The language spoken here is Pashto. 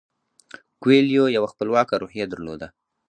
کویلیو یوه خپلواکه روحیه درلوده.